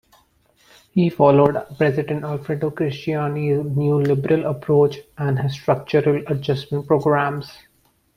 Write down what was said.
He followed president Alfredo Cristiani's neoliberal approach, and his structural adjustment programs.